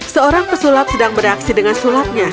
seorang pesulap sedang beraksi dengan sulapnya